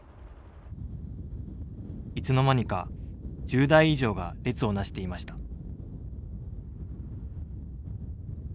いつの間にか１０台以上が列をなしていました。